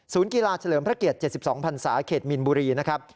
กีฬาเฉลิมพระเกียรติ๗๒พันศาเขตมินบุรีนะครับ